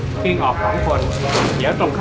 และที่เราต้องใช้เวลาในการปฏิบัติหน้าที่ระยะเวลาหนึ่งนะครับ